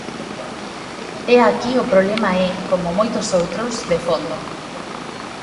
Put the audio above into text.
E aquí o problema é, como moito outros, de fondo.